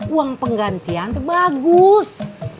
uang penggantian itu bagus